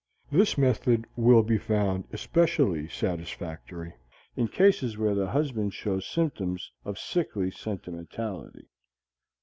This method will be found especially satisfactory in cases where the husband shows symptoms of sickly sentimentality.